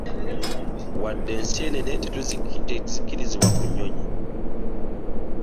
Wadde enseenene tezikkirizibwa ku nnyonyi